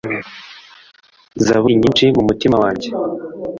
Zaburi nyinshi mu mutima wanjye